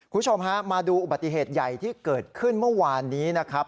คุณผู้ชมฮะมาดูอุบัติเหตุใหญ่ที่เกิดขึ้นเมื่อวานนี้นะครับ